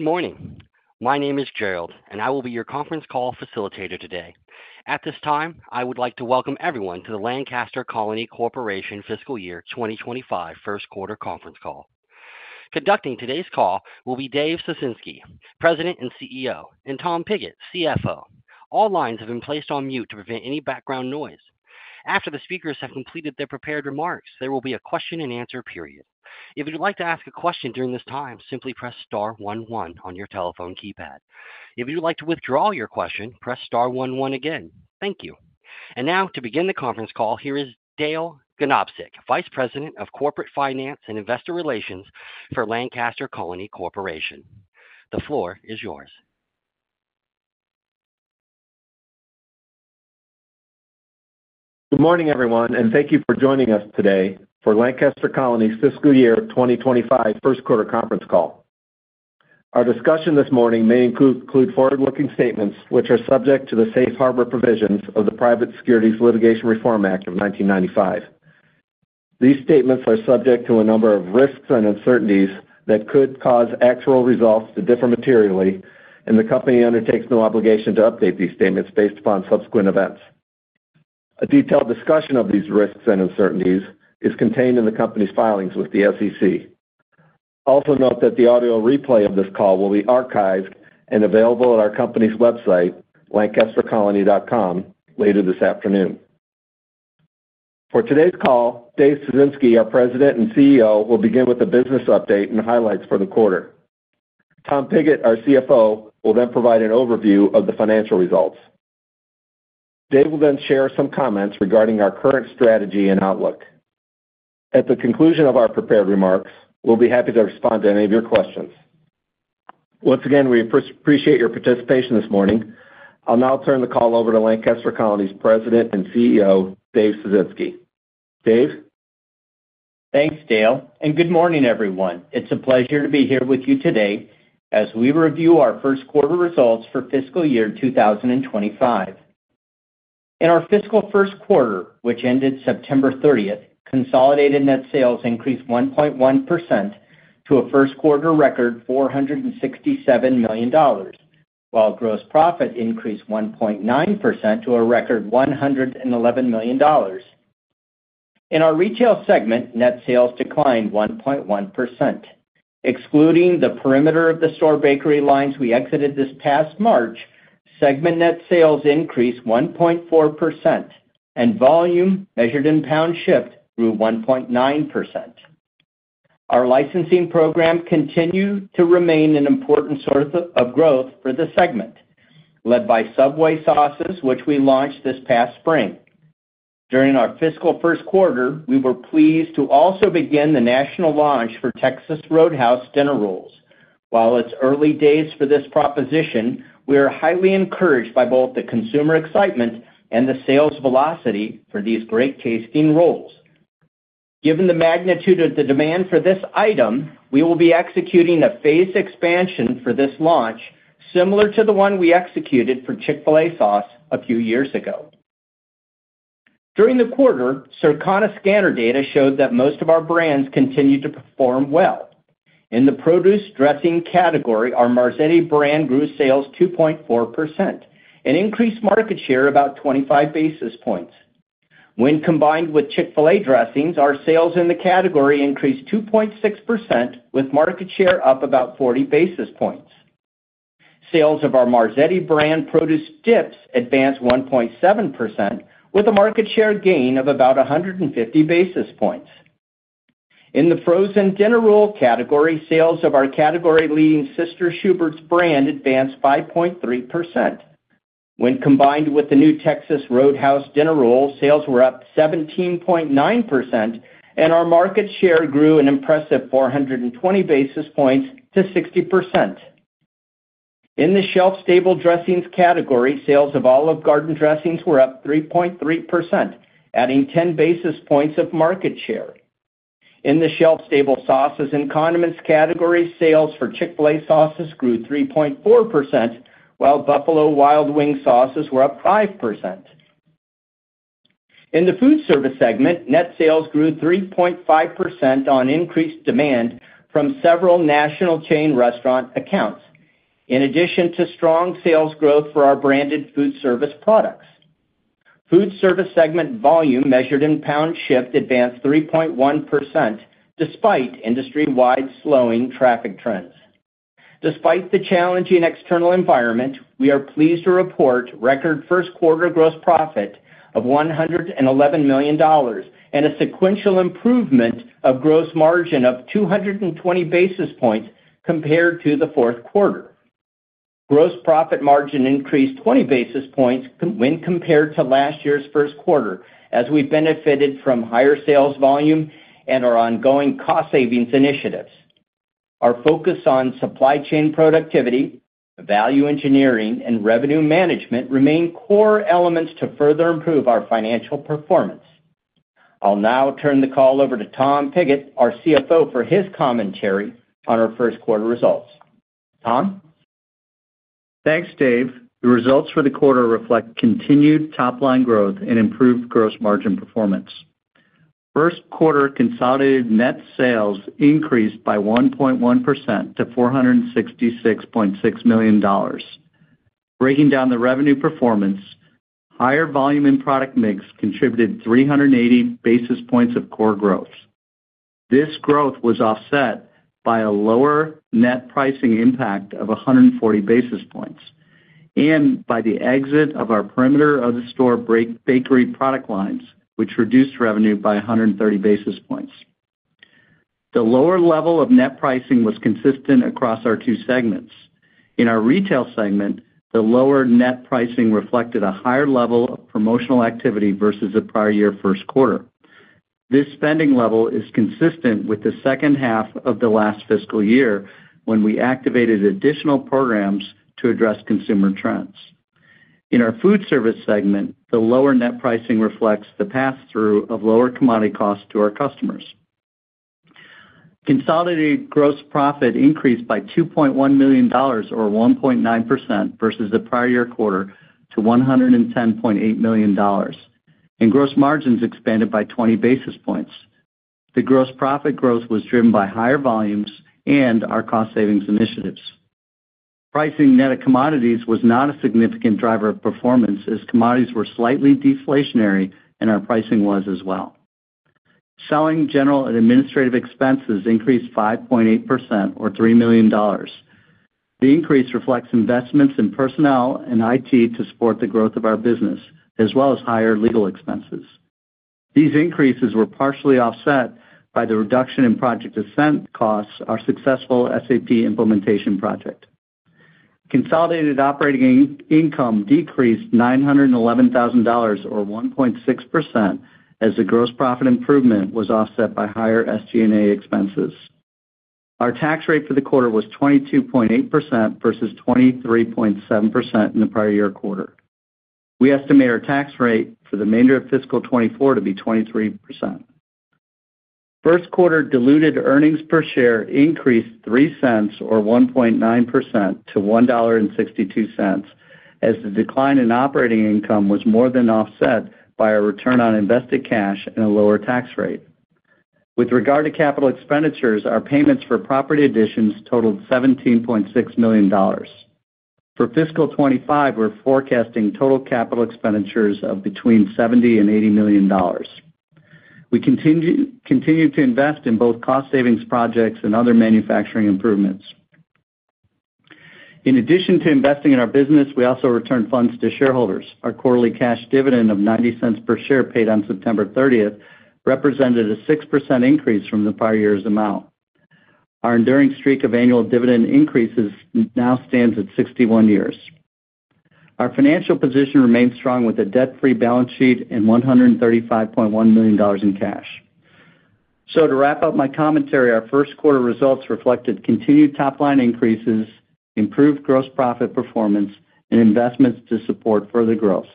Good morning. My name is Gerald, and I will be your conference call facilitator today. At this time, I would like to welcome everyone to the Lancaster Colony Corporation Fiscal Year 2025 First Quarter Conference Call. Conducting today's call will be Dave Ciesinski, President and CEO, and Tom Pigott, CFO. All lines have been placed on mute to prevent any background noise. After the speakers have completed their prepared remarks, there will be a question-and-answer period. If you'd like to ask a question during this time, simply press star 11 on your telephone keypad. If you'd like to withdraw your question, press star 11 again. Thank you. And now, to begin the conference call, here is Dale Ganobsik, Vice President of Corporate Finance and Investor Relations for Lancaster Colony Corporation. The floor is yours. Good morning, everyone, and thank you for joining us today for Lancaster Colony's Fiscal Year 2025 First Quarter Conference Call. Our discussion this morning may include forward-looking statements, which are subject to the safe harbor provisions of the Private Securities Litigation Reform Act of 1995. These statements are subject to a number of risks and uncertainties that could cause actual results to differ materially, and the company undertakes no obligation to update these statements based upon subsequent events. A detailed discussion of these risks and uncertainties is contained in the company's filings with the SEC. Also note that the audio replay of this call will be archived and available at our company's website, lancastercolony.com, later this afternoon. For today's call, Dave Ciesinski, our President and CEO, will begin with a business update and highlights for the quarter. Tom Pigott, our CFO, will then provide an overview of the financial results. Dave will then share some comments regarding our current strategy and outlook. At the conclusion of our prepared remarks, we'll be happy to respond to any of your questions. Once again, we appreciate your participation this morning. I'll now turn the call over to Lancaster Colony's President and CEO, Dave Ciesinski. Dave? Thanks, Dale, and good morning, everyone. It's a pleasure to be here with you today as we review our first quarter results for Fiscal Year 2025. In our fiscal first quarter, which ended September 30, consolidated net sales increased 1.1% to a first quarter record $467 million, while gross profit increased 1.9% to a record $111 million. In our retail segment, net sales declined 1.1%. Excluding the perimeter of the store bakery lines we exited this past March, segment net sales increased 1.4%, and volume, measured in pounds shipped, grew 1.9%. Our licensing program continued to remain an important source of growth for the segment, led by Subway Sauces, which we launched this past spring. During our fiscal first quarter, we were pleased to also begin the national launch for Texas Roadhouse Dinner Rolls. While it's early days for this proposition, we are highly encouraged by both the consumer excitement and the sales velocity for these great tasting rolls. Given the magnitude of the demand for this item, we will be executing a phased expansion for this launch similar to the one we executed for Chick-fil-A Sauce a few years ago. During the quarter, Circana Scanner data showed that most of our brands continued to perform well. In the produce dressing category, our Marzetti brand grew sales 2.4%, and an increased market share of about 25 basis points. When combined with Chick-fil-A dressings, our sales in the category increased 2.6%, with market share up about 40 basis points. Sales of our Marzetti brand produce dips advanced 1.7%, with a market share gain of about 150 basis points. In the frozen dinner roll category, sales of our category-leading Sister Schubert's brand advanced 5.3%. When combined with the new Texas Roadhouse Dinner Roll, sales were up 17.9%, and our market share grew an impressive 420 basis points to 60%. In the shelf-stable dressings category, sales of Olive Garden dressings were up 3.3%, adding 10 basis points of market share. In the shelf-stable sauces and condiments category, sales for Chick-fil-A sauces grew 3.4%, while Buffalo Wild Wings sauces were up 5%. In the food service segment, net sales grew 3.5% on increased demand from several national chain restaurant accounts, in addition to strong sales growth for our branded food service products. Food service segment volume, measured in pounds shipped, advanced 3.1% despite industry-wide slowing traffic trends. Despite the challenging external environment, we are pleased to report record first quarter gross profit of $111 million and a sequential improvement of gross margin of 220 basis points compared to the fourth quarter. Gross profit margin increased 20 basis points when compared to last year's first quarter, as we benefited from higher sales volume and our ongoing cost savings initiatives. Our focus on supply chain productivity, value engineering, and revenue management remain core elements to further improve our financial performance. I'll now turn the call over to Tom Pigott, our CFO, for his commentary on our first quarter results. Tom? Thanks, Dave. The results for the quarter reflect continued top-line growth and improved gross margin performance. First quarter consolidated net sales increased by 1.1% to $466.6 million. Breaking down the revenue performance, higher volume and product mix contributed 380 basis points of core growth. This growth was offset by a lower net pricing impact of 140 basis points and by the exit of our in-store bakery product lines, which reduced revenue by 130 basis points. The lower level of net pricing was consistent across our two segments. In our retail segment, the lower net pricing reflected a higher level of promotional activity versus the prior year first quarter. This spending level is consistent with the second half of the last fiscal year when we activated additional programs to address consumer trends. In our food service segment, the lower net pricing reflects the pass-through of lower commodity costs to our customers. Consolidated gross profit increased by $2.1 million, or 1.9%, versus the prior year quarter to $110.8 million, and gross margins expanded by 20 basis points. The gross profit growth was driven by higher volumes and our cost savings initiatives. Pricing net of commodities was not a significant driver of performance, as commodities were slightly deflationary, and our pricing was as well. Selling, general, and administrative expenses increased 5.8%, or $3 million. The increase reflects investments in personnel and IT to support the growth of our business, as well as higher legal expenses. These increases were partially offset by the reduction in Project Ascent costs, our successful SAP implementation project. Consolidated operating income decreased $911,000, or 1.6%, as the gross profit improvement was offset by higher SG&A expenses. Our tax rate for the quarter was 22.8% versus 23.7% in the prior year quarter. We estimate our tax rate for the remainder of fiscal 24 to be 23%. First quarter diluted earnings per share increased $0.03, or 1.9%, to $1.62, as the decline in operating income was more than offset by our return on invested cash and a lower tax rate. With regard to capital expenditures, our payments for property additions totaled $17.6 million. For fiscal 25, we're forecasting total capital expenditures of between $70 and $80 million. We continue to invest in both cost savings projects and other manufacturing improvements. In addition to investing in our business, we also return funds to shareholders. Our quarterly cash dividend of $0.90 per share paid on September 30 represented a 6% increase from the prior year's amount. Our enduring streak of annual dividend increases now stands at 61 years. Our financial position remains strong with a debt-free balance sheet and $135.1 million in cash. So, to wrap up my commentary, our first quarter results reflected continued top-line increases, improved gross profit performance, and investments to support further growth.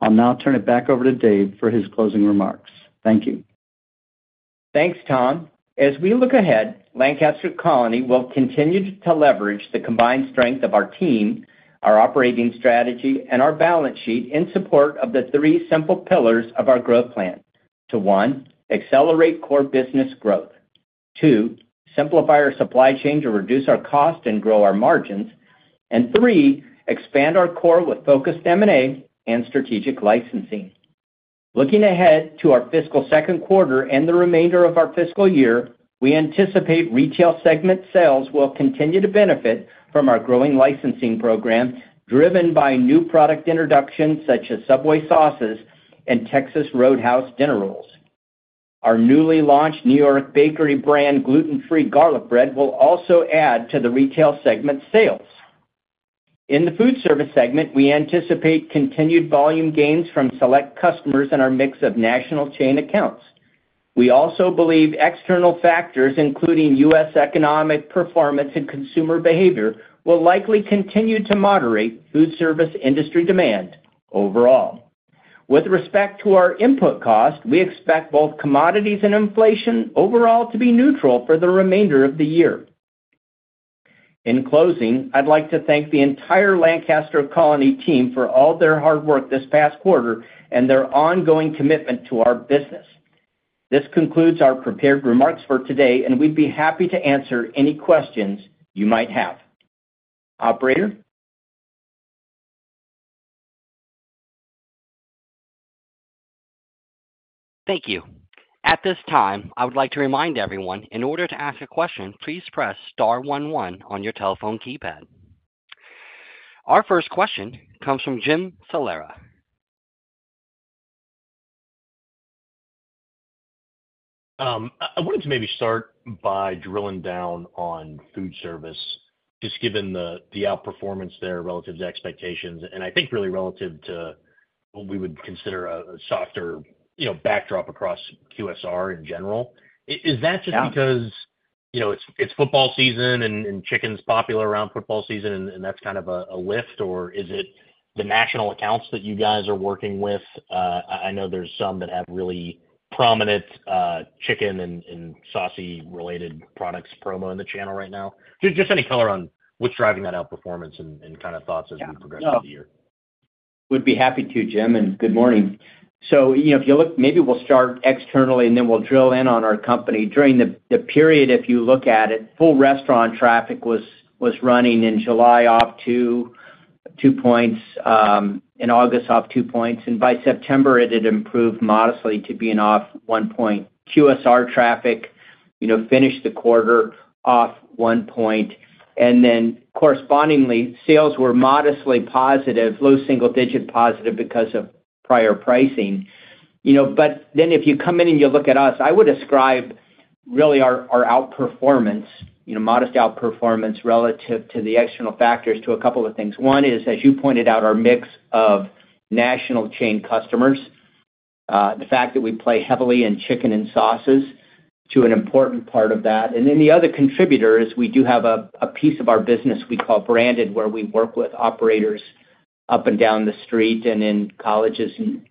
I'll now turn it back over to Dave for his closing remarks. Thank you. Thanks, Tom. As we look ahead, Lancaster Colony will continue to leverage the combined strength of our team, our operating strategy, and our balance sheet in support of the three simple pillars of our growth plan. Number one, accelerate core business growth. Two, simplify our supply chain to reduce our cost and grow our margins. And three, expand our core with focused M&A and strategic licensing. Looking ahead to our fiscal second quarter and the remainder of our fiscal year, we anticipate retail segment sales will continue to benefit from our growing licensing program driven by new product introductions such as Subway Sauces and Texas Roadhouse Dinner Rolls. Our newly launched New York Bakery brand gluten-free garlic bread will also add to the retail segment sales. In the food service segment, we anticipate continued volume gains from select customers in our mix of national chain accounts. We also believe external factors, including U.S. economic performance and consumer behavior, will likely continue to moderate food service industry demand overall. With respect to our input cost, we expect both commodities and inflation overall to be neutral for the remainder of the year. In closing, I'd like to thank the entire Lancaster Colony team for all their hard work this past quarter and their ongoing commitment to our business. This concludes our prepared remarks for today, and we'd be happy to answer any questions you might have. Operator? Thank you. At this time, I would like to remind everyone, in order to ask a question, please press star 11 on your telephone keypad. Our first question comes from Jim Salera. I wanted to maybe start by drilling down on food service, just given the outperformance there relative to expectations, and I think really relative to what we would consider a softer backdrop across QSR in general. Is that just because it's football season and chicken's popular around football season, and that's kind of a lift, or is it the national accounts that you guys are working with? I know there's some that have really prominent chicken and saucy-related products promo in the channel right now. Just any color on what's driving that outperformance and kind of thoughts as we progress through the year. No. Would be happy to, Jim, and good morning. So if you look, maybe we'll start externally, and then we'll drill in on our company. During the period, if you look at it, full restaurant traffic was running in July off two points, in August off two points, and by September, it had improved modestly to being off one point. QSR traffic finished the quarter off one point, and then, correspondingly, sales were modestly positive, low single-digit positive because of prior pricing. But then if you come in and you look at us, I would ascribe really our outperformance, modest outperformance relative to the external factors to a couple of things. One is, as you pointed out, our mix of national chain customers, the fact that we play heavily in chicken and sauces to an important part of that. And then the other contributor is we do have a piece of our business we call branded, where we work with operators up and down the street and in colleges and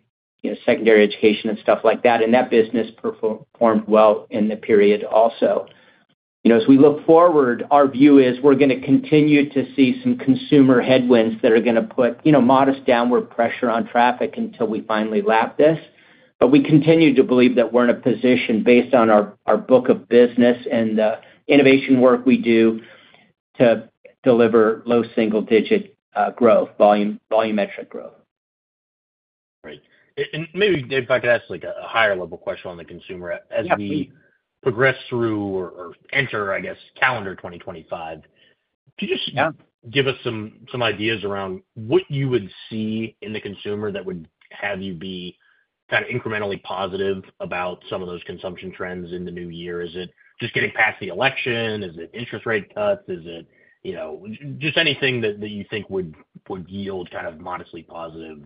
secondary education and stuff like that, and that business performed well in the period also. As we look forward, our view is we're going to continue to see some consumer headwinds that are going to put modest downward pressure on traffic until we finally lap this. But we continue to believe that we're in a position, based on our book of business and the innovation work we do, to deliver low single-digit growth, volumetric growth. Great. And maybe if I could ask a higher-level question on the consumer, as we progress through or enter, I guess, calendar 2025, could you just give us some ideas around what you would see in the consumer that would have you be kind of incrementally positive about some of those consumption trends in the new year? Is it just getting past the election? Is it interest rate cuts? Is it just anything that you think would yield kind of modestly positive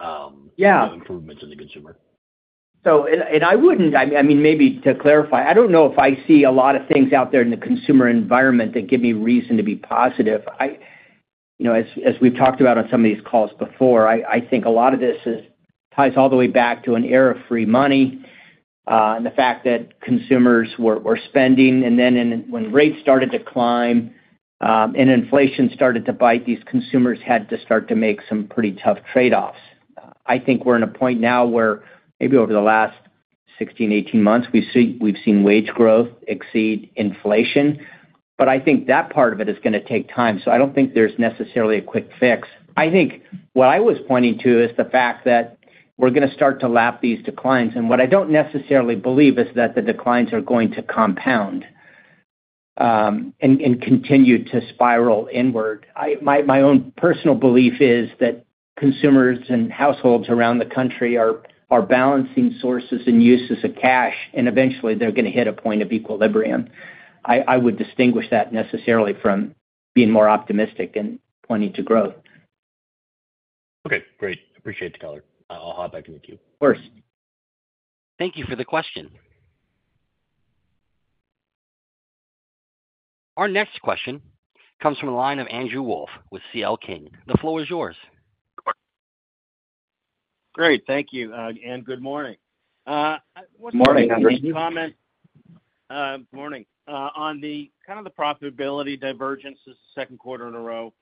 improvements in the consumer? Yeah. And I wouldn't, I mean, maybe to clarify, I don't know if I see a lot of things out there in the consumer environment that give me reason to be positive. As we've talked about on some of these calls before, I think a lot of this ties all the way back to an era of free money and the fact that consumers were spending. And then when rates started to climb and inflation started to bite, these consumers had to start to make some pretty tough trade-offs. I think we're in a point now where maybe over the last 16, 18 months, we've seen wage growth exceed inflation. But I think that part of it is going to take time. So I don't think there's necessarily a quick fix. I think what I was pointing to is the fact that we're going to start to lap these declines. And what I don't necessarily believe is that the declines are going to compound and continue to spiral inward. My own personal belief is that consumers and households around the country are balancing sources and uses of cash, and eventually, they're going to hit a point of equilibrium. I would distinguish that necessarily from being more optimistic and pointing to growth. Okay. Great. Appreciate the color. I'll hop back into the queue. Of course. Thank you for the question. Our next question comes from a line of Andrew Wolf with CL King. The floor is yours. Great. Thank you. And good morning. Good morning, Andrew. Morning. On the kind of the profitability divergence, this is the second quarter in a row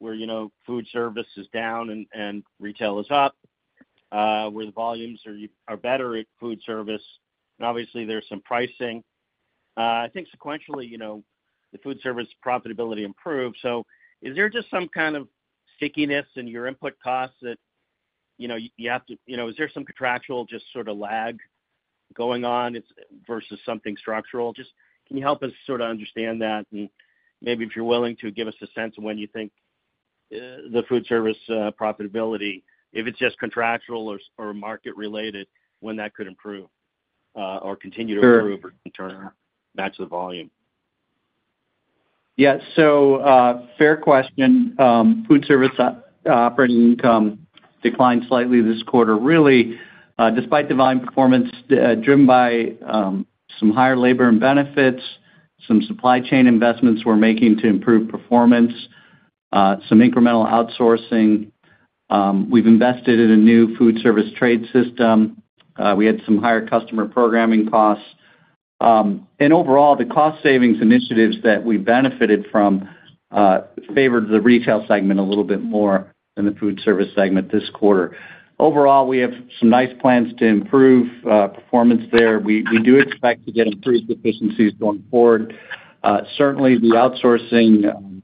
where food service is down and retail is up, where the volumes are better at food service. And obviously, there's some pricing. I think sequentially, the food service profitability improved. So is there just some kind of stickiness in your input costs that you have to, is there some contractual just sort of lag going on versus something structural? Just can you help us sort of understand that? And maybe if you're willing to give us a sense of when you think the food service profitability, if it's just contractual or market-related, when that could improve or continue to improve or match the volume? Yeah. So, fair question. Food service operating income declined slightly this quarter, really, despite volume performance driven by some higher labor and benefits, some supply chain investments we're making to improve performance, some incremental outsourcing. We've invested in a new food service trade system. We had some higher customer programming costs. And overall, the cost savings initiatives that we benefited from favored the retail segment a little bit more than the food service segment this quarter. Overall, we have some nice plans to improve performance there. We do expect to get improved efficiencies going forward. Certainly, the outsourcing,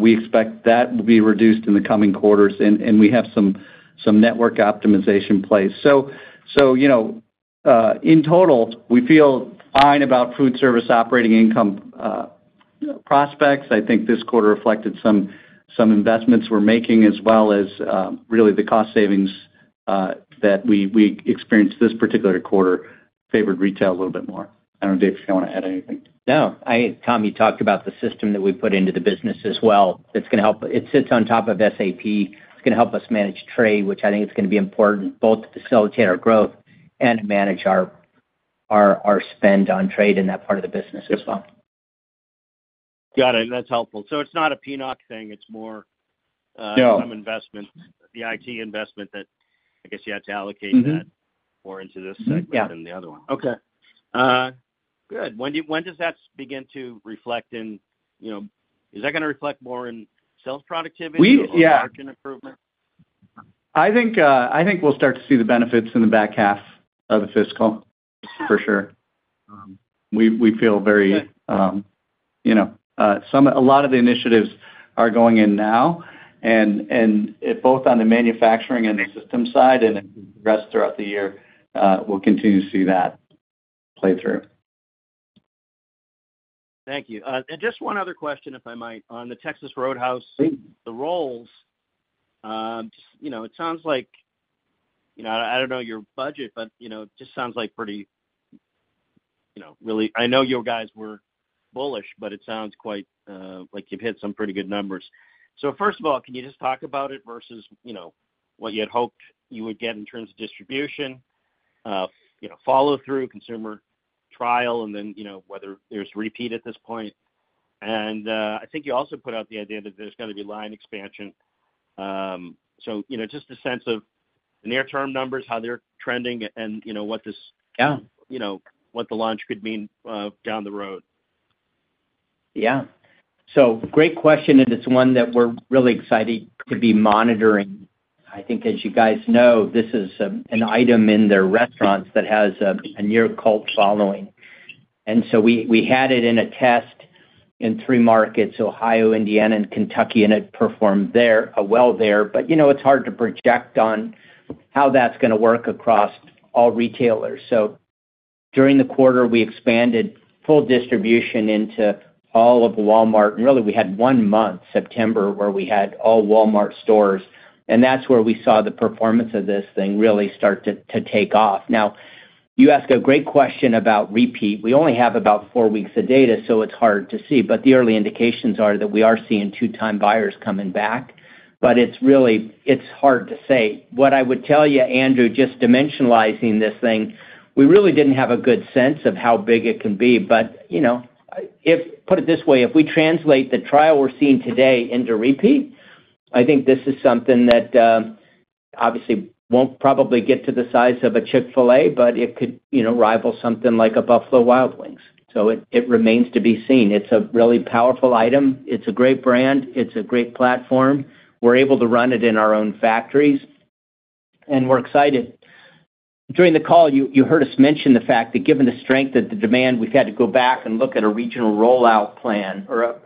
we expect that will be reduced in the coming quarters, and we have some network optimization in place. So in total, we feel fine about food service operating income prospects. I think this quarter reflected some investments we're making, as well as really the cost savings that we experienced this particular quarter favored retail a little bit more. I don't know, Dave, if you want to add anything. No. Tom, you talked about the system that we put into the business as well. It's going to help. It sits on top of SAP. It's going to help us manage trade, which I think is going to be important both to facilitate our growth and to manage our spend on trade in that part of the business as well. Got it. That's helpful. So it's not a peanut thing. It's more some investment, the IT investment that, I guess, you had to allocate that more into this segment than the other one. Yeah. Okay. Good. When does that begin to reflect in—is that going to reflect more in sales productivity or margin improvement? Yeah. I think we'll start to see the benefits in the back half of the fiscal, for sure. We feel very a lot of the initiatives are going in now, and both on the manufacturing and the system side, and it progressed throughout the year, we'll continue to see that play through. Thank you. And just one other question, if I might. On the Texas Roadhouse, the rolls, it sounds like, I don't know your budget, but it just sounds like pretty really, I know your guys were bullish, but it sounds quite like you've hit some pretty good numbers. So first of all, can you just talk about it versus what you had hoped you would get in terms of distribution, follow-through, consumer trial, and then whether there's repeat at this point? And I think you also put out the idea that there's going to be line expansion. So just a sense of the near-term numbers, how they're trending, and what the launch could mean down the road. Yeah. So great question, and it's one that we're really excited to be monitoring. I think, as you guys know, this is an item in their restaurants that has a near-cult following. And so we had it in a test in three markets: Ohio, Indiana, and Kentucky, and it performed well there. But it's hard to project on how that's going to work across all retailers. So during the quarter, we expanded full distribution into all of Walmart. And really, we had one month, September, where we had all Walmart stores. And that's where we saw the performance of this thing really start to take off. Now, you ask a great question about repeat. We only have about four weeks of data, so it's hard to see. But the early indications are that we are seeing two-time buyers coming back. But it's hard to say. What I would tell you, Andrew, just dimensionalizing this thing, we really didn't have a good sense of how big it can be. But put it this way, if we translate the trial we're seeing today into repeat, I think this is something that obviously won't probably get to the size of a Chick-fil-A, but it could rival something like a Buffalo Wild Wings. So it remains to be seen. It's a really powerful item. It's a great brand. It's a great platform. We're able to run it in our own factories. And we're excited. During the call, you heard us mention the fact that given the strength of the demand, we've had to go back and look at a regional rollout plan or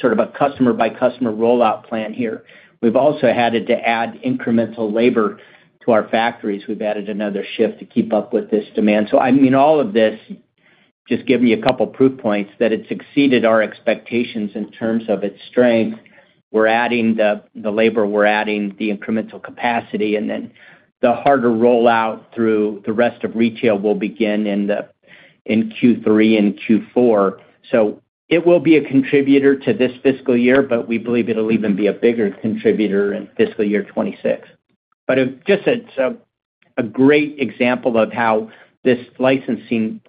sort of a customer-by-customer rollout plan here. We've also had to add incremental labor to our factories. We've added another shift to keep up with this demand. So I mean, all of this just gives me a couple of proof points that it's exceeded our expectations in terms of its strength. We're adding the labor. We're adding the incremental capacity. And then the harder rollout through the rest of retail will begin in Q3 and Q4. So it will be a contributor to this fiscal year, but we believe it'll even be a bigger contributor in fiscal year 2026. But just a great example of how this licensing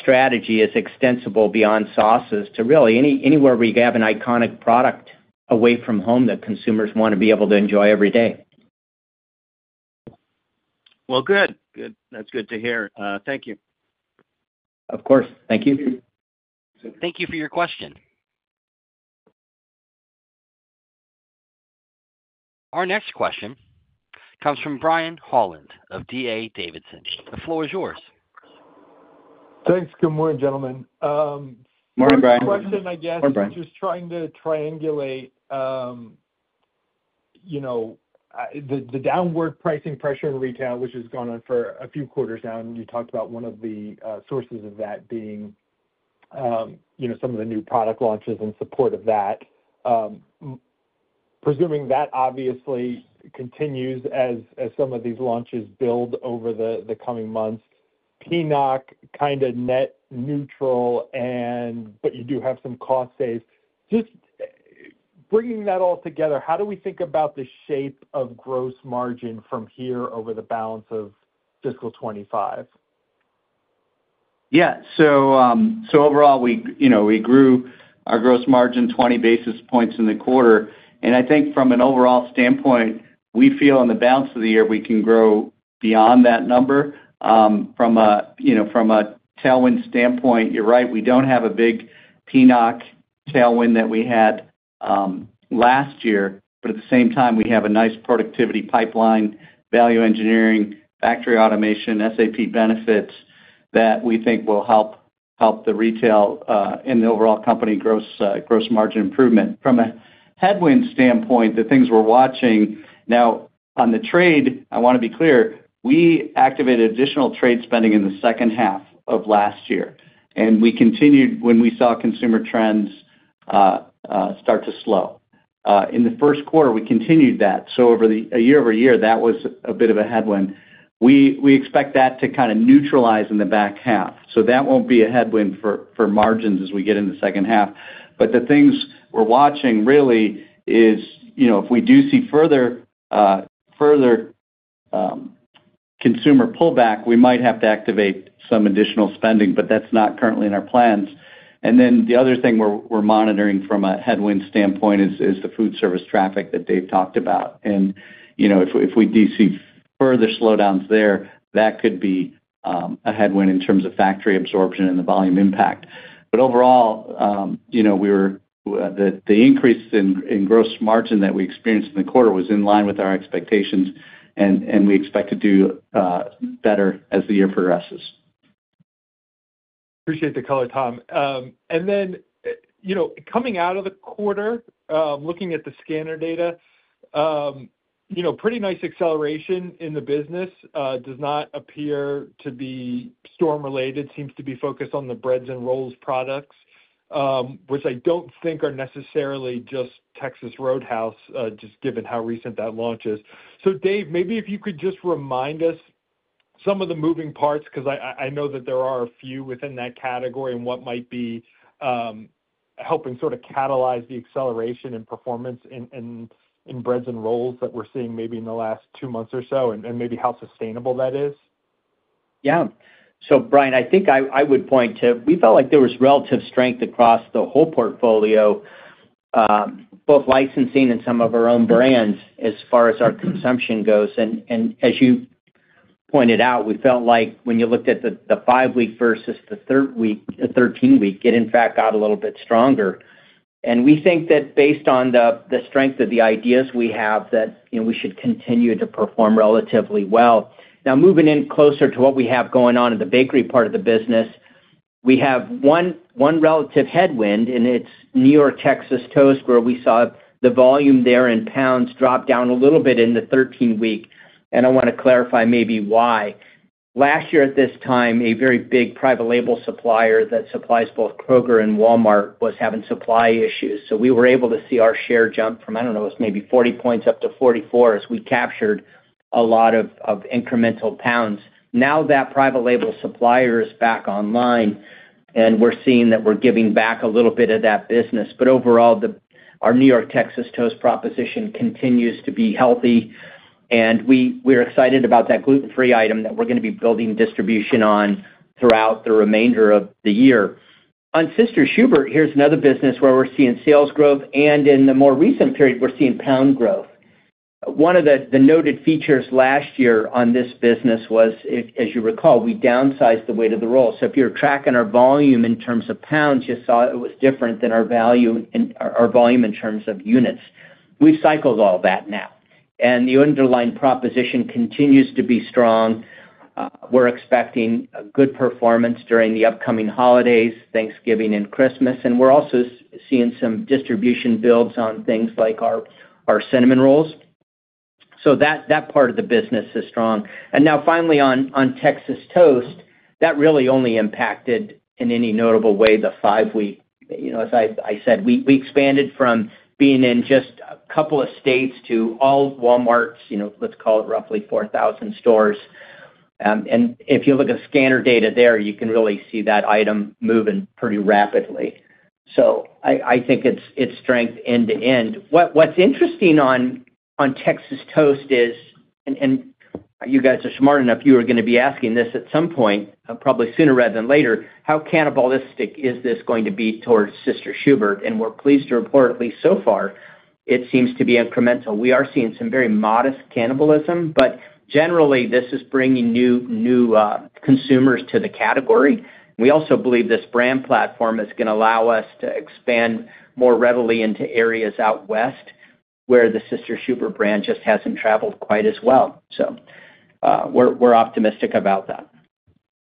strategy is extensible beyond sauces to really anywhere where you have an iconic product away from home that consumers want to be able to enjoy every day. Good. That's good to hear. Thank you. Of course. Thank you. Thank you for your question. Our next question comes from Brian Holland of D.A. Davidson. The floor is yours. Thanks. Good morning, gentlemen. Morning, Brian. My question, I guess, is just trying to triangulate the downward pricing pressure in retail, which has gone on for a few quarters now. You talked about one of the sources of that being some of the new product launches in support of that. Presuming that obviously continues as some of these launches build over the coming months, but net, kind of net neutral, but you do have some cost savings. Just bringing that all together, how do we think about the shape of gross margin from here over the balance of fiscal 2025? Yeah. So overall, we grew our gross margin 20 basis points in the quarter, and I think from an overall standpoint, we feel on the balance of the year, we can grow beyond that number. From a tailwind standpoint, you're right. We don't have a big peanut tailwind that we had last year, but at the same time, we have a nice productivity pipeline, value engineering, factory automation, SAP benefits that we think will help the retail and the overall company gross margin improvement. From a headwind standpoint, the things we're watching now on the trade. I want to be clear, we activated additional trade spending in the second half of last year, and we continued when we saw consumer trends start to slow. In the first quarter, we continued that, so over a year over year, that was a bit of a headwind. We expect that to kind of neutralize in the back half. So that won't be a headwind for margins as we get into the second half. But the things we're watching really is if we do see further consumer pullback, we might have to activate some additional spending, but that's not currently in our plans, and then the other thing we're monitoring from a headwind standpoint is the food service traffic that Dave talked about, and if we do see further slowdowns there, that could be a headwind in terms of factory absorption and the volume impact, but overall, the increase in gross margin that we experienced in the quarter was in line with our expectations, and we expect to do better as the year progresses. Appreciate the color, Tom. And then coming out of the quarter, looking at the scanner data, pretty nice acceleration in the business. Does not appear to be storm-related. Seems to be focused on the breads and rolls products, which I don't think are necessarily just Texas Roadhouse, just given how recent that launch is. So Dave, maybe if you could just remind us some of the moving parts because I know that there are a few within that category and what might be helping sort of catalyze the acceleration and performance in breads and rolls that we're seeing maybe in the last two months or so and maybe how sustainable that is. Yeah. So, Brian, I think I would point to we felt like there was relative strength across the whole portfolio, both licensing and some of our own brands as far as our consumption goes. And as you pointed out, we felt like when you looked at the five-week versus the 13-week, it in fact got a little bit stronger. And we think that based on the strength of the ideas we have, that we should continue to perform relatively well. Now, moving in closer to what we have going on in the bakery part of the business, we have one relative headwind, and it's New York Texas Toast, where we saw the volume there in pounds drop down a little bit in the 13-week. And I want to clarify maybe why. Last year at this time, a very big private label supplier that supplies both Kroger and Walmart was having supply issues, so we were able to see our share jump from, I don't know, it was maybe 40 points up to 44 as we captured a lot of incremental pounds. Now that private label supplier is back online, and we're seeing that we're giving back a little bit of that business, but overall, our New York Texas Toast proposition continues to be healthy, and we're excited about that gluten-free item that we're going to be building distribution on throughout the remainder of the year. On Sister Schubert's, here's another business where we're seeing sales growth, and in the more recent period, we're seeing pound growth. One of the noted features last year on this business was, as you recall, we downsized the weight of the roll. So if you're tracking our volume in terms of pounds, you saw it was different than our volume in terms of units. We've cycled all that now. And the underlying proposition continues to be strong. We're expecting good performance during the upcoming holidays, Thanksgiving, and Christmas. And we're also seeing some distribution builds on things like our cinnamon rolls. So that part of the business is strong. And now finally, on Texas toast, that really only impacted in any notable way the five-week. As I said, we expanded from being in just a couple of states to all Walmarts, let's call it roughly 4,000 stores. And if you look at scanner data there, you can really see that item moving pretty rapidly. So I think it's strength end to end. What's interesting on Texas Toast is, and you guys are smart enough, you were going to be asking this at some point, probably sooner rather than later, how cannibalistic is this going to be towards Sister Schubert's? And we're pleased to report, at least so far, it seems to be incremental. We are seeing some very modest cannibalism, but generally, this is bringing new consumers to the category. We also believe this brand platform is going to allow us to expand more readily into areas out west where the Sister Schubert's brand just hasn't traveled quite as well. So we're optimistic about that.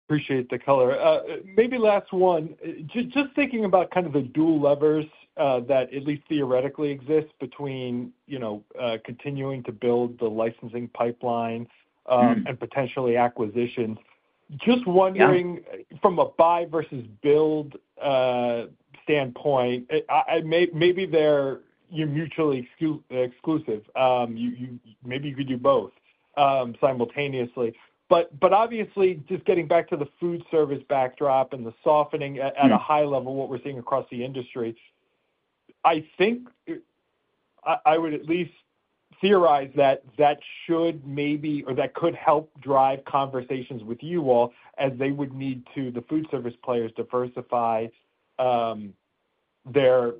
Appreciate the color. Maybe last one. Just thinking about kind of the dual levers that at least theoretically exist between continuing to build the licensing pipeline and potentially acquisitions. Just wondering from a buy versus build standpoint, maybe they're mutually exclusive. Maybe you could do both simultaneously. But obviously, just getting back to the food service backdrop and the softening at a high level of what we're seeing across the industry, I think I would at least theorize that that should maybe or that could help drive conversations with you all as they would need to, the food service players, diversify their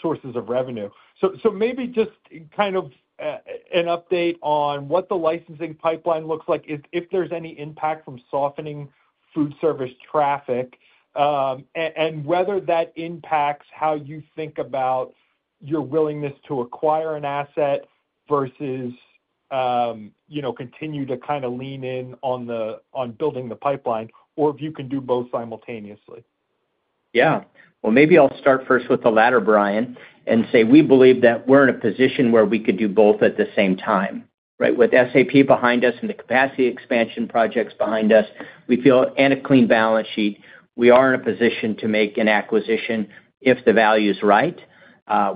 sources of revenue. So maybe just kind of an update on what the licensing pipeline looks like, if there's any impact from softening food service traffic, and whether that impacts how you think about your willingness to acquire an asset versus continue to kind of lean in on building the pipeline, or if you can do both simultaneously? Yeah. Well, maybe I'll start first with the latter, Brian, and say we believe that we're in a position where we could do both at the same time. Right? With SAP behind us and the capacity expansion projects behind us, we feel, and with a clean balance sheet, we are in a position to make an acquisition if the value is right.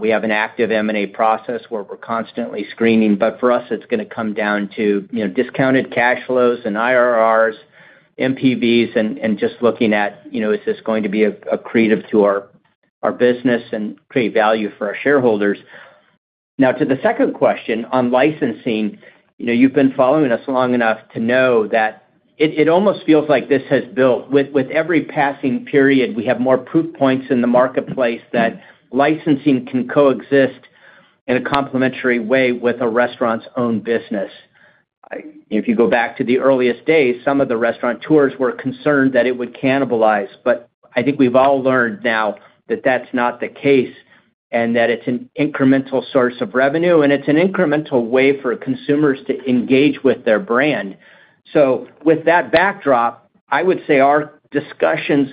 We have an active M&A process where we're constantly screening. But for us, it's going to come down to discounted cash flows and IRRs, NPVs, and just looking at is this going to be accretive to our business and create value for our shareholders. Now, to the second question on licensing, you've been following us long enough to know that it almost feels like this has built with every passing period. We have more proof points in the marketplace that licensing can coexist in a complementary way with a restaurant's own business. If you go back to the earliest days, some of the restaurateurs were concerned that it would cannibalize. But I think we've all learned now that that's not the case and that it's an incremental source of revenue, and it's an incremental way for consumers to engage with their brand. So with that backdrop, I would say our discussions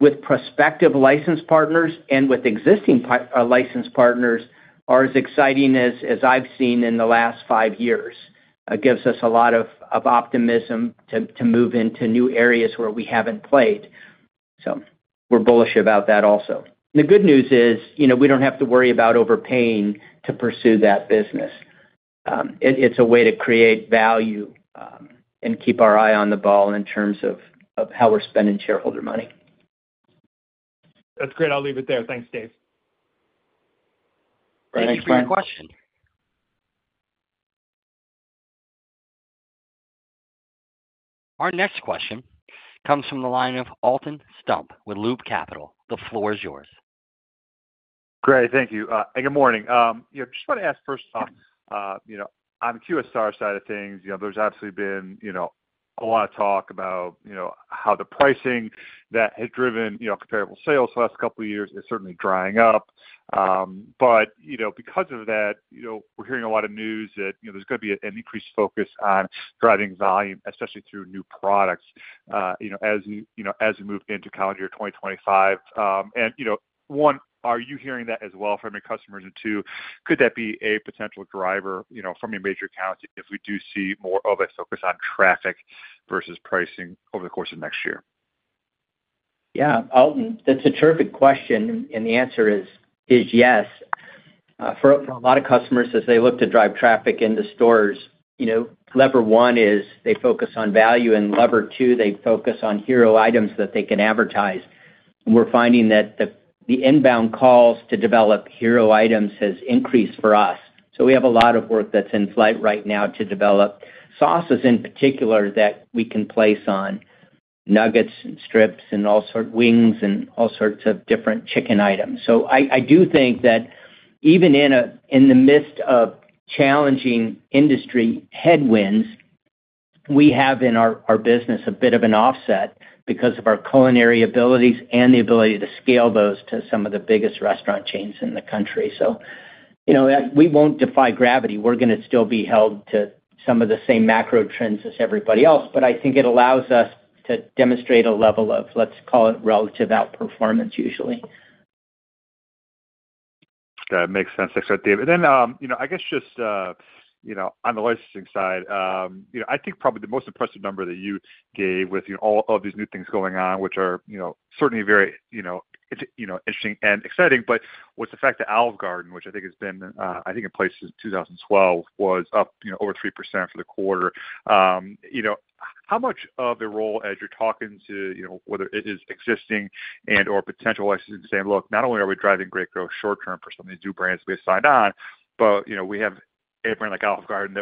with prospective licensing partners and with existing licensing partners are as exciting as I've seen in the last five years. It gives us a lot of optimism to move into new areas where we haven't played. So we're bullish about that also. The good news is we don't have to worry about overpaying to pursue that business. It's a way to create value and keep our eye on the ball in terms of how we're spending shareholder money. That's great. I'll leave it there. Thanks, Dave. Thank you, Brian. Thanks for your question. Our next question comes from the line of Alton Stump with Loop Capital. The floor is yours. Great. Thank you. And good morning. I just want to ask first off, on the QSR side of things, there's absolutely been a lot of talk about how the pricing that has driven comparable sales the last couple of years is certainly drying up. But because of that, we're hearing a lot of news that there's going to be an increased focus on driving volume, especially through new products as we move into calendar year 2025. And one, are you hearing that as well from your customers? And two, could that be a potential driver from your major accounts if we do see more of a focus on traffic versus pricing over the course of next year? Yeah. Alton, that's a terrific question. And the answer is yes. For a lot of customers, as they look to drive traffic into stores, lever one is they focus on value, and lever two, they focus on hero items that they can advertise. And we're finding that the inbound calls to develop hero items has increased for us. So we have a lot of work that's in flight right now to develop sauces in particular that we can place on nuggets and strips and all sorts of wings and all sorts of different chicken items. So I do think that even in the midst of challenging industry headwinds, we have in our business a bit of an offset because of our culinary abilities and the ability to scale those to some of the biggest restaurant chains in the country. So we won't defy gravity. We're going to still be held to some of the same macro trends as everybody else. But I think it allows us to demonstrate a level of, let's call it, relative outperformance usually. That makes sense. Thanks, Dave. And then I guess just on the licensing side, I think probably the most impressive number that you gave with all of these new things going on, which are certainly very interesting and exciting, but was the fact that Olive Garden, which I think has been, I think, in place since 2012, was up over 3% for the quarter. How much of the role, as you're talking to whether it is existing and/or potential licensing, saying, "Look, not only are we driving great growth short-term for some of these new brands we have signed on, but we have a brand like Olive Garden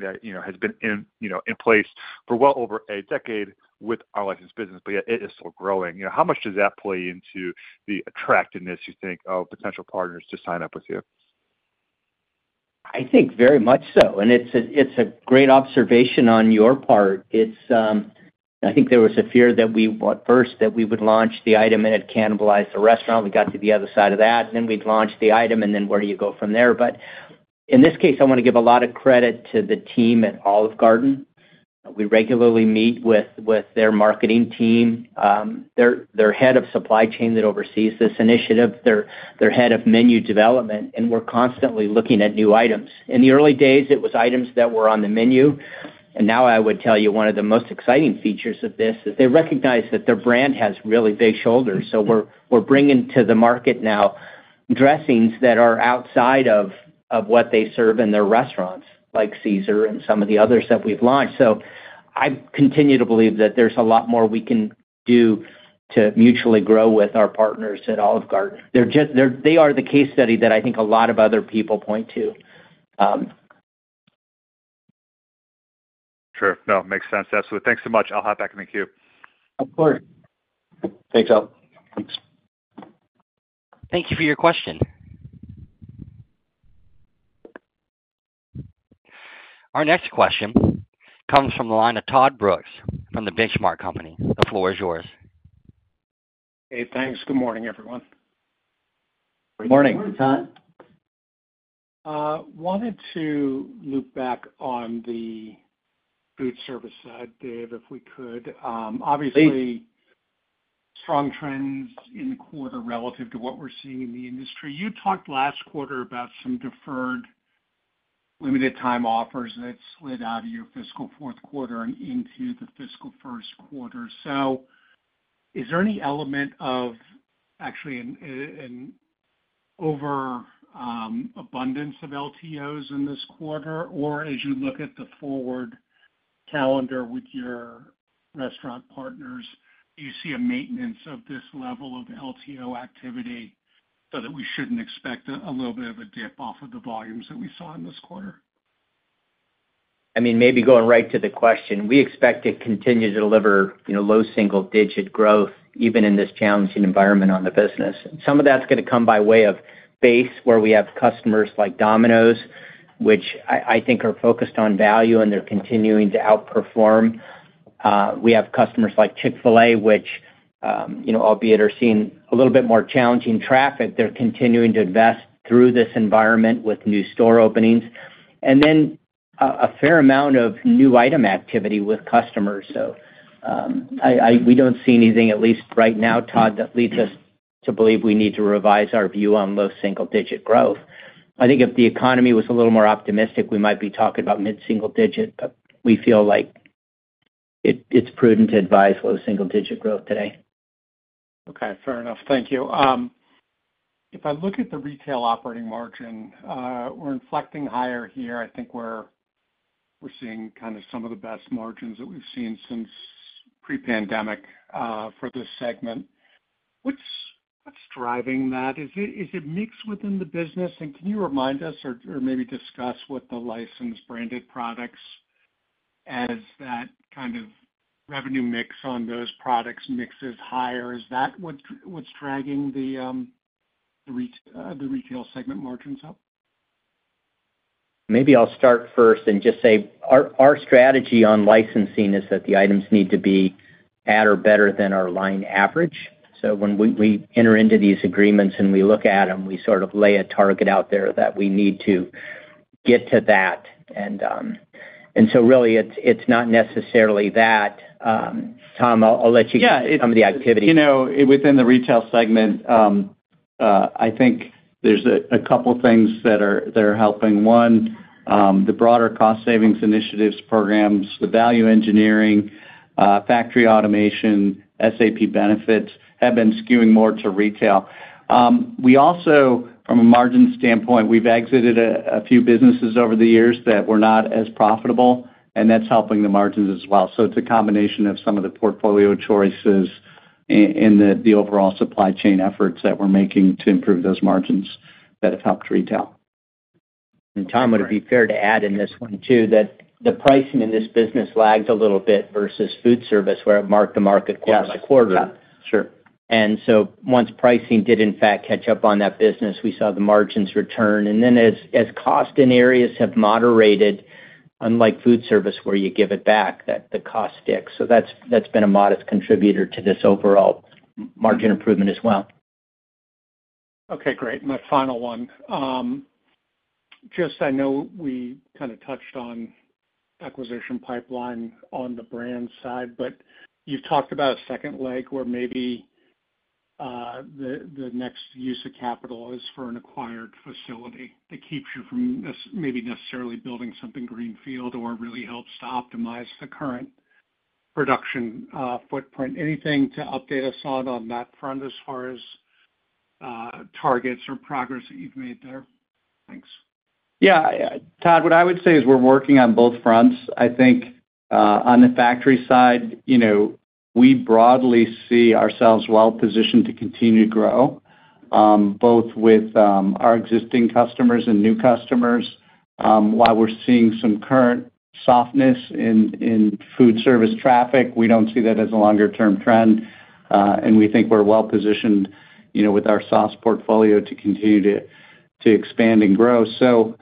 that has been in place for well over a decade with our license business, but yet it is still growing." How much does that play into the attractiveness, you think, of potential partners to sign up with you? I think very much so, and it's a great observation on your part. I think there was a fear that we first would launch the item and it cannibalized the restaurant. We got to the other side of that, and then we'd launch the item, and then where do you go from there? But in this case, I want to give a lot of credit to the team at Olive Garden. We regularly meet with their marketing team. Their head of supply chain that oversees this initiative. Their head of menu development, and we're constantly looking at new items. In the early days, it was items that were on the menu, and now I would tell you one of the most exciting features of this is they recognize that their brand has really big shoulders. So we're bringing to the market now dressings that are outside of what they serve in their restaurants, like Caesar and some of the others that we've launched. So I continue to believe that there's a lot more we can do to mutually grow with our partners at Olive Garden. They are the case study that I think a lot of other people point to. Sure. No, makes sense. Thanks so much. I'll hop back in the queue. Of course. Thanks, Al. Thanks. Thank you for your question. Our next question comes from the line of Todd Brooks from The Benchmark Company. The floor is yours. Hey, thanks. Good morning, everyone. Good morning. Good morning, Todd. Wanted to loop back on the food service side, Dave, if we could. Obviously, strong trends in the quarter relative to what we're seeing in the industry. You talked last quarter about some deferred limited-time offers that slid out of your fiscal fourth quarter and into the fiscal first quarter. So is there any element of actually an overabundance of LTOs in this quarter? Or as you look at the forward calendar with your restaurant partners, do you see a maintenance of this level of LTO activity so that we shouldn't expect a little bit of a dip off of the volumes that we saw in this quarter? I mean, maybe going right to the question, we expect to continue to deliver low single-digit growth even in this challenging environment on the business. Some of that's going to come by way of base, where we have customers like Domino's, which I think are focused on value, and they're continuing to outperform. We have customers like Chick-fil-A, which, albeit they're seeing a little bit more challenging traffic, they're continuing to invest through this environment with new store openings. And then a fair amount of new item activity with customers. So we don't see anything, at least right now, Todd, that leads us to believe we need to revise our view on low single-digit growth. I think if the economy was a little more optimistic, we might be talking about mid-single digit, but we feel like it's prudent to advise low single-digit growth today. Okay. Fair enough. Thank you. If I look at the retail operating margin, we're inflecting higher here. I think we're seeing kind of some of the best margins that we've seen since pre-pandemic for this segment. What's driving that? Is it mixed within the business? And can you remind us or maybe discuss what the licensed branded products, as that kind of revenue mix on those products, mixes higher? Is that what's dragging the retail segment margins up? Maybe I'll start first and just say our strategy on licensing is that the items need to be at or better than our line average. So when we enter into these agreements and we look at them, we sort of lay a target out there that we need to get to that. And so really, it's not necessarily that. Tom, I'll let you get to some of the activity. Yeah. Within the retail segment, I think there's a couple of things that are helping. One, the broader cost-savings initiatives, programs, the value engineering, factory automation, SAP benefits have been skewing more to retail. We also, from a margin standpoint, we've exited a few businesses over the years that were not as profitable, and that's helping the margins as well. So it's a combination of some of the portfolio choices and the overall supply chain efforts that we're making to improve those margins that have helped retail. And Tom, it would be fair to add in this one too that the pricing in this business lags a little bit versus food service where it marked the market quarter by quarter. And so once pricing did, in fact, catch up on that business, we saw the margins return. And then as cost in areas have moderated, unlike food service where you give it back, the cost sticks. So that's been a modest contributor to this overall margin improvement as well. Okay. Great. My final one. Just I know we kind of touched on acquisition pipeline on the brand side, but you've talked about a second leg where maybe the next use of capital is for an acquired facility that keeps you from maybe necessarily building something greenfield or really helps to optimize the current production footprint. Anything to update us on that front as far as targets or progress that you've made there? Thanks. Yeah. Todd, what I would say is we're working on both fronts. I think on the factory side, we broadly see ourselves well-positioned to continue to grow both with our existing customers and new customers. While we're seeing some current softness in food service traffic, we don't see that as a longer-term trend. And we think we're well-positioned with our sauce portfolio to continue to expand and grow. So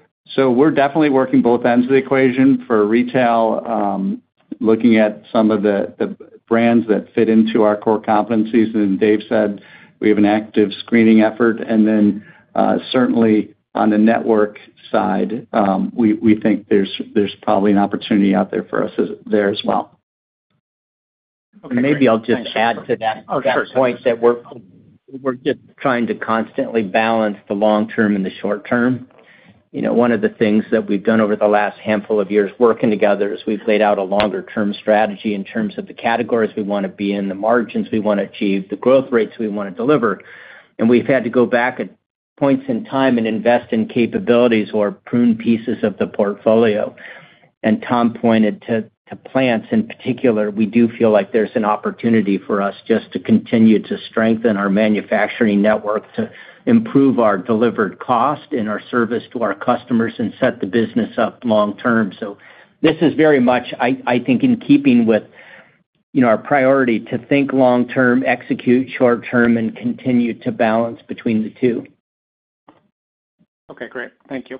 we're definitely working both ends of the equation for retail, looking at some of the brands that fit into our core competencies. And Dave said we have an active screening effort. And then certainly on the network side, we think there's probably an opportunity out there for us there as well. And maybe I'll just add to that. Oh, sure. Point that we're just trying to constantly balance the long term and the short term. One of the things that we've done over the last handful of years working together is we've laid out a longer-term strategy in terms of the categories we want to be in, the margins we want to achieve, the growth rates we want to deliver. And we've had to go back at points in time and invest in capabilities or prune pieces of the portfolio. And Tom pointed to plants in particular. We do feel like there's an opportunity for us just to continue to strengthen our manufacturing network, to improve our delivered cost and our service to our customers, and set the business up long-term. So this is very much, I think, in keeping with our priority to think long-term, execute short-term, and continue to balance between the two. Okay. Great. Thank you.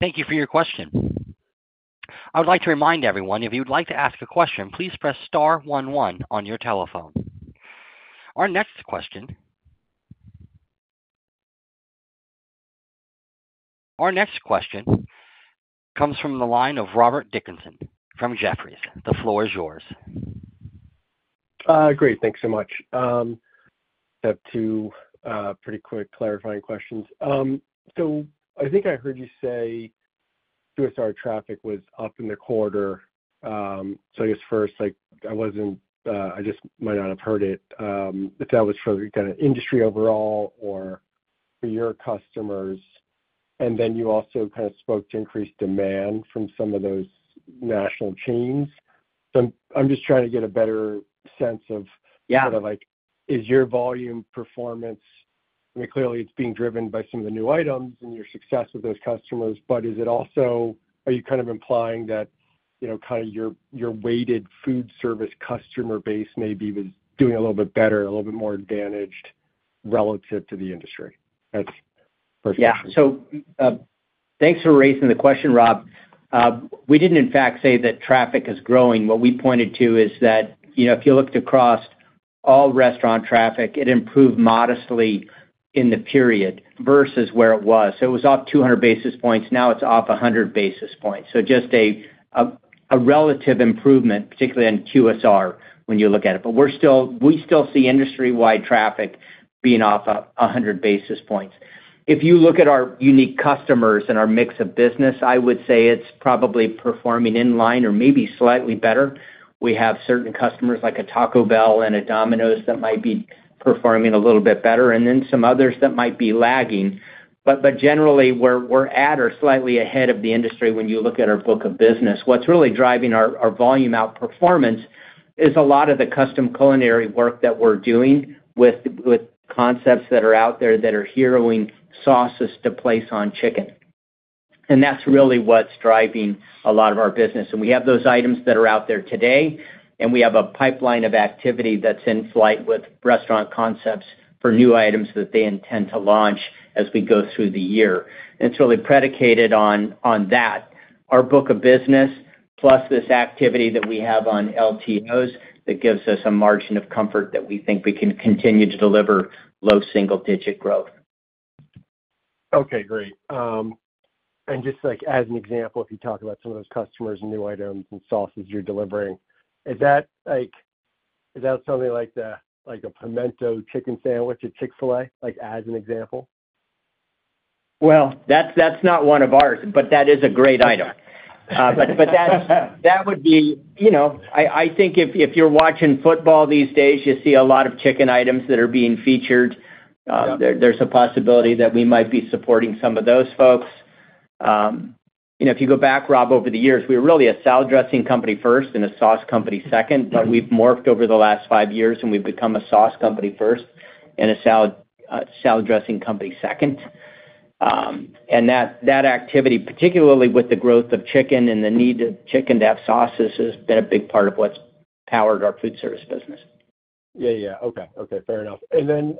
Thank you for your question. I would like to remind everyone, if you'd like to ask a question, please press star 11 on your telephone. Our next question comes from the line of Robert Dickerson from Jefferies. The floor is yours. Great. Thanks so much. I have two pretty quick clarifying questions. So I think I heard you say QSR traffic was up in the quarter. So I guess first, I just might not have heard it. If that was for kind of industry overall or for your customers. And then you also kind of spoke to increased demand from some of those national chains. So I'm just trying to get a better sense of sort of is your volume performance I mean, clearly, it's being driven by some of the new items and your success with those customers, but is it also are you kind of implying that kind of your weighted food service customer base maybe was doing a little bit better, a little bit more advantaged relative to the industry? That's first question. Yeah. So thanks for raising the question, Rob. We didn't, in fact, say that traffic is growing. What we pointed to is that if you looked across all restaurant traffic, it improved modestly in the period versus where it was. So it was off 200 basis points. Now it's off 100 basis points. So just a relative improvement, particularly in QSR when you look at it. But we still see industry-wide traffic being off 100 basis points. If you look at our unique customers and our mix of business, I would say it's probably performing in line or maybe slightly better. We have certain customers like a Taco Bell and a Domino's that might be performing a little bit better, and then some others that might be lagging. But generally, we're at or slightly ahead of the industry when you look at our book of business. What's really driving our volume outperformance is a lot of the custom culinary work that we're doing with concepts that are out there that are her own sauces to place on chicken, and that's really what's driving a lot of our business, and we have those items that are out there today, and we have a pipeline of activity that's in flight with restaurant concepts for new items that they intend to launch as we go through the year, and it's really predicated on that. Our book of business, plus this activity that we have on LTOs, that gives us a margin of comfort that we think we can continue to deliver low single-digit growth. Okay. Great. And just as an example, if you talk about some of those customers and new items and sauces you're delivering, is that something like a pimento chicken sandwich at Chick-fil-A, as an example? That's not one of ours, but that is a great item. That would be I think if you're watching football these days, you see a lot of chicken items that are being featured. There's a possibility that we might be supporting some of those folks. If you go back, Rob, over the years, we were really a salad dressing company first and a sauce company second, but we've morphed over the last five years, and we've become a sauce company first and a salad dressing company second. That activity, particularly with the growth of chicken and the need of chicken to have sauces, has been a big part of what's powered our food service business. Yeah. Yeah. Okay. Okay. Fair enough. And then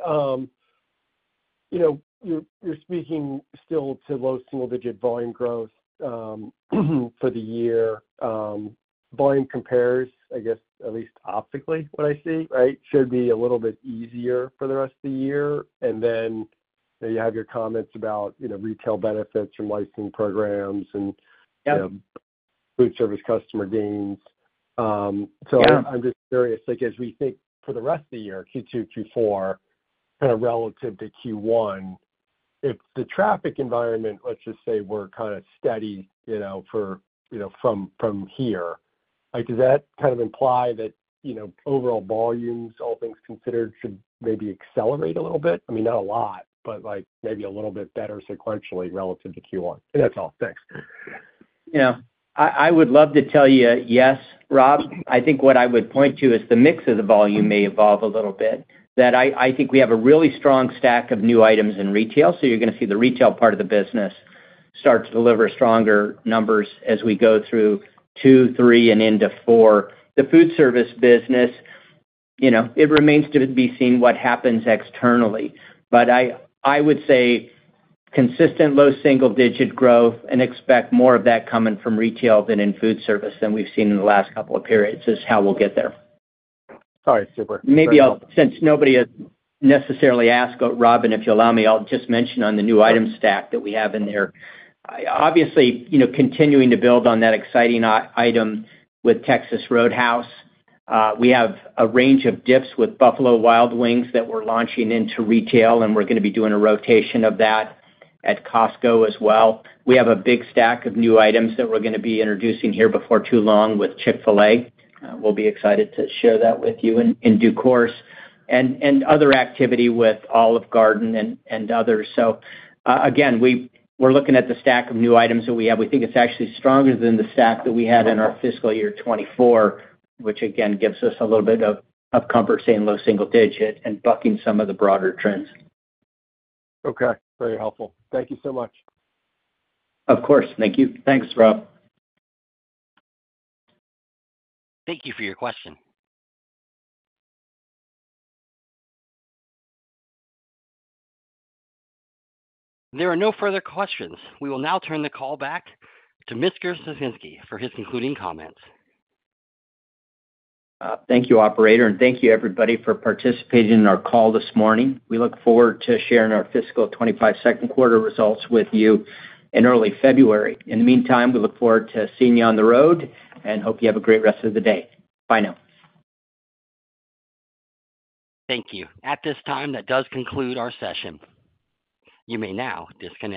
you're speaking still to low single-digit volume growth for the year. Volume compares, I guess, at least optically, what I see, right, should be a little bit easier for the rest of the year. And then you have your comments about retail benefits from licensing programs and food service customer gains. So I'm just curious, as we think for the rest of the year, Q2, Q4, kind of relative to Q1, if the traffic environment, let's just say, were kind of steady from here, does that kind of imply that overall volumes, all things considered, should maybe accelerate a little bit? I mean, not a lot, but maybe a little bit better sequentially relative to Q1. And that's all. Thanks. Yeah. I would love to tell you yes, Rob. I think what I would point to is the mix of the volume may evolve a little bit. I think we have a really strong stack of new items in retail, so you're going to see the retail part of the business start to deliver stronger numbers as we go through Q2, Q3, and into Q4. The food service business, it remains to be seen what happens externally. But I would say consistent low single-digit growth and expect more of that coming from retail than in food service than we've seen in the last couple of periods is how we'll get there. Sorry. Super. Maybe since nobody has necessarily asked, Robin, if you'll allow me, I'll just mention on the new item stack that we have in there, obviously continuing to build on that exciting item with Texas Roadhouse. We have a range of dips with Buffalo Wild Wings that we're launching into retail, and we're going to be doing a rotation of that at Costco as well. We have a big stack of new items that we're going to be introducing here before too long with Chick-fil-A. We'll be excited to share that with you in due course, and other activity with Olive Garden and others, so again, we're looking at the stack of new items that we have. We think it's actually stronger than the stack that we had in our fiscal year 2024, which again gives us a little bit of comfort seeing low single digit and bucking some of the broader trends. Okay. Very helpful. Thank you so much. Of course. Thank you. Thanks, Rob. Thank you for your question. There are no further questions. We will now turn the call back to Mr. Ciesinski for his concluding comments. Thank you, operator. And thank you, everybody, for participating in our call this morning. We look forward to sharing our fiscal '25 second quarter results with you in early February. In the meantime, we look forward to seeing you on the road and hope you have a great rest of the day. Bye now. Thank you. At this time, that does conclude our session. You may now disconnect.